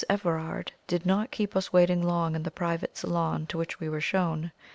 Everard did not keep us waiting long in the private salon to which we were shown.